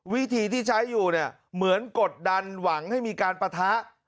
วิธีที่ใช้อยู่เนี่ยเหมือนกดดันหวังให้มีการปะทะ